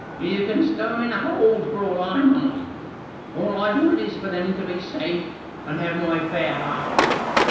You can stow 'em in the hold for all I mind. All I want is for them to be safe, and have my fair half.